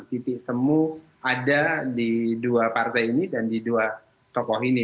titik temu ada di dua partai ini dan di dua tokoh ini